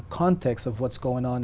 cho thủ tướng hà nội không